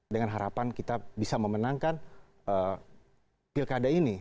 dengan harapan kita bisa memenangkan pilkada ini